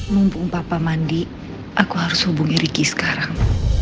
mumpung papa mandi aku harus hubungi riki sekarang